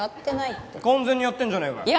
完全にやってんじゃねえかよ。